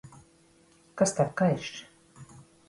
Kas tev kaiš?